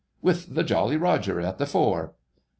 "With the Jolly Roger at the fore!"